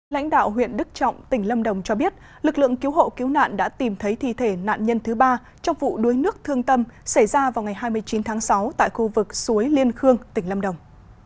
lãnh đạo huyện đức trọng tỉnh lâm đồng cho biết lực lượng cứu hộ cứu nạn đã tìm thấy thi thể nạn nhân thứ ba trong vụ đuối nước thương tâm xảy ra vào ngày hai mươi chín tháng sáu tại khu vực suối liên khương tỉnh lâm đồng